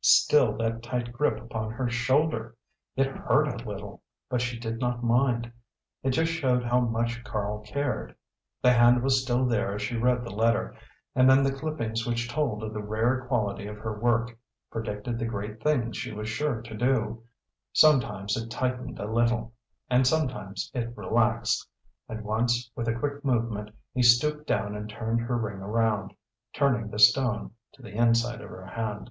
Still that tight grip upon her shoulder! It hurt a little, but she did not mind it just showed how much Karl cared. The hand was still there as she read the letter, and then the clippings which told of the rare quality of her work, predicted the great things she was sure to do, sometimes it tightened a little, and sometimes it relaxed, and once, with a quick movement he stooped down and turned her ring around, turning the stone to the inside of her hand.